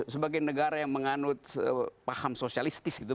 sebagai negara yang menganut paham sosialistis gitu